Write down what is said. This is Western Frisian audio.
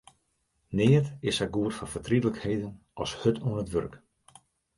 Neat is sa goed foar fertrietlikheden as hurd oan it wurk.